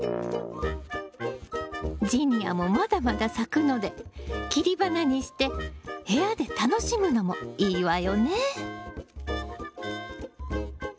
ジニアもまだまだ咲くので切り花にして部屋で楽しむのもいいわよね。